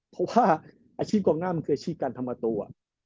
เพราะว่าอาชีพกองหน้ามันคืออาชีพการทำประตู